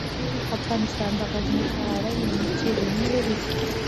افغانستان د غزني په اړه علمي څېړنې لري.